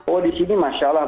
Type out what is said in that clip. oh di sini masya allah